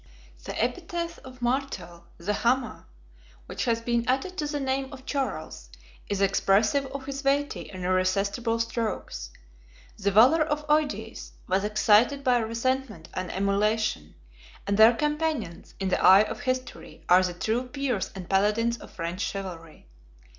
The epithet of Martel, the Hammer, which has been added to the name of Charles, is expressive of his weighty and irresistible strokes: the valor of Eudes was excited by resentment and emulation; and their companions, in the eye of history, are the true Peers and Paladins of French chivalry.